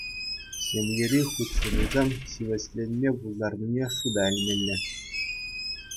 Ҫемьери хутшӑнусем ҫивӗчленме пултарнине шута илмелле.